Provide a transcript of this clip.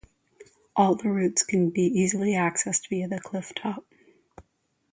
All the routes can be easily accessed via the cliff top.